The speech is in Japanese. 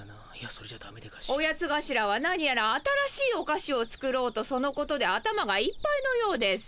オヤツがしらはなにやら新しいおかしを作ろうとそのことで頭がいっぱいのようです。